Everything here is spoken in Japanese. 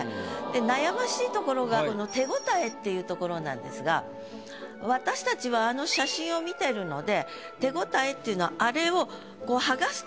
悩ましいところが「手応え」っていうところなんですが私たちはあの写真を見てるので手応えっていうのはあれを。